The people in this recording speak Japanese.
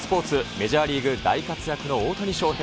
メジャーリーグ、大活躍の大谷翔平。